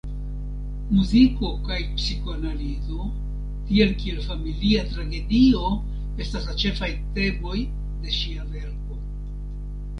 Muziko kaj psikoanalizo, tiel kiel familia tragedio estas la ĉefaj temoj de ŝia verko.